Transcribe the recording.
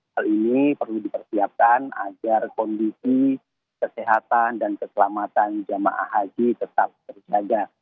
hal ini perlu dipersiapkan agar kondisi kesehatan dan keselamatan jemaah haji tetap terjaga